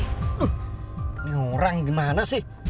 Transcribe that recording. ini orang dimana sih